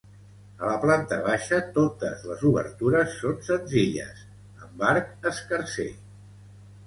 A la planta baixa totes les obertures són senzilles, amb arc escarser.